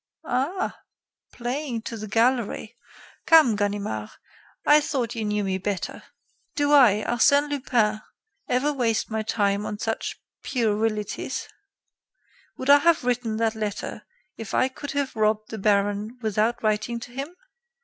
"Ah! playing to the gallery! Come, Ganimard, I thought you knew me better. Do I, Arsène Lupin, ever waste my time on such puerilities? Would I have written that letter if I could have robbed the baron without writing to him?